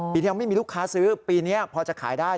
ปีเดียวไม่มีลูกค้าซื้อปีนี้พอจะขายได้